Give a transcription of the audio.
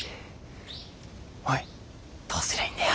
おいどうすりゃいいんだよ。